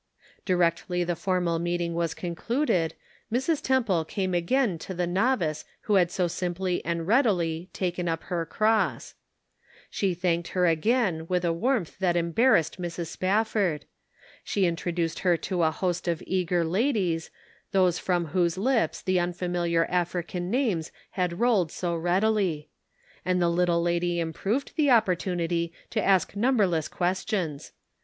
Directly the formal meeting was concluded, Mrs. Temple came again to the novice who had so simply and readily " taken up her cross." She thanked her again with a warmth that embarrassed Mrs. Spafford ; she introduced her to a host of eager ladies, those from whose 198 The Pocket Measure. lips the unfamiliar African names had rolled so readily. And the little lady improved the opportunity to ask numberless questions.